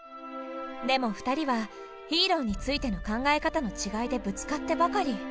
でも２人はヒーローについての考え方の違いでぶつかってばかり。